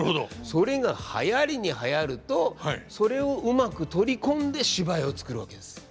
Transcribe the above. それがはやりにはやるとそれをうまく取り込んで芝居を作るわけです。